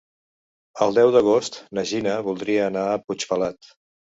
El deu d'agost na Gina voldria anar a Puigpelat.